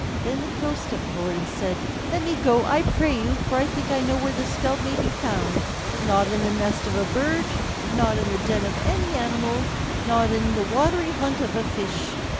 Then the Crow stepped forward and said, "Let me go, I pray you, for I think I know where the scalp may be found; not in the nest of a bird, not in the den of any animal, not in the watery haunt of a fish.